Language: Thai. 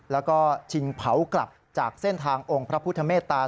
แล้วก็ชิงเผากลับจากเส้นทางองค์พระพุทธเมตตา